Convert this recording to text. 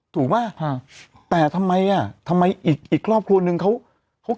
ถูกม่ะ